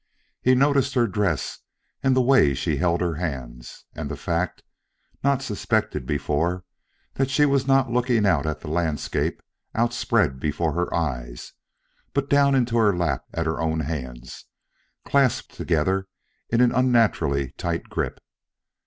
He noticed her dress and the way she held her hands, and the fact, not suspected before, that she was not looking out at the landscape outspread before her eyes, but down into her lap at her own hands clasped together in an unnaturally tight grip.